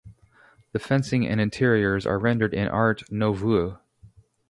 The fencing and interiors are rendered in Art Nouveau.